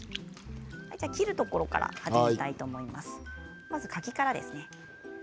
切るところから始めたいと思います。。